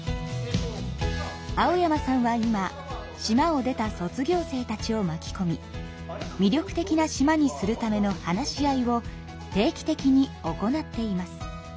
青山さんは今島を出た卒業生たちをまきこみ魅力的な島にするための話し合いを定期的に行っています。